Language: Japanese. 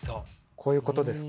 こういうことですか？